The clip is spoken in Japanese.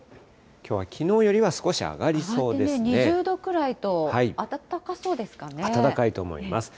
きょうは、きのうよりは少し上が２０度くらいと、暖かそうで暖かいと思います。